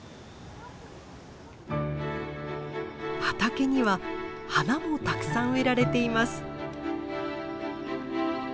畑には花もたくさん植えられています。